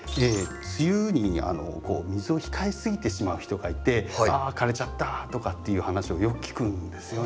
梅雨に水を控えすぎてしまう人がいて「あ枯れちゃった」とかっていう話をよく聞くんですよね。